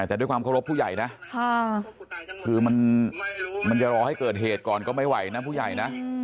แต่ด้วยความเคารพผู้ใหญ่นะคือมันจะรอให้เกิดเหตุก่อนก็ไม่ไหวนะผู้ใหญ่นะ